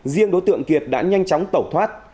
riêng đối tượng kiệt đã nhanh chóng tẩu thoát